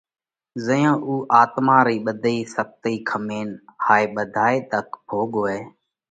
زئيون اُو آتما ري ٻڌي سختي کمينَ هائي ٻڌائي ۮک ڀوڳوَئه